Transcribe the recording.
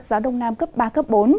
gió đông nam cấp ba bốn